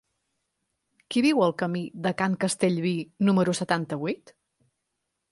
Qui viu al camí de Can Castellví número setanta-vuit?